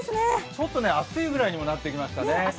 ちょっと暑いぐらいにもなってきましたね。